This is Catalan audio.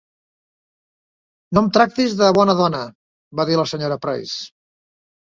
"No em tractis de 'bona dona'", va dir la Sra. Price.